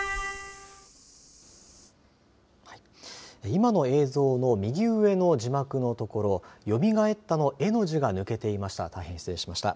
今の映像の右上の字幕の所よみがえったのえの字が抜けていました。